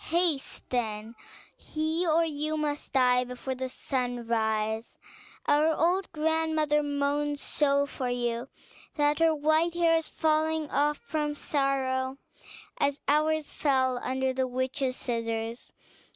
Haste, then; he or you must die before sunrise. Our old grandmother moans so for you, that her white hair is falling off from sorrow, as ours fell under the witch's scissors.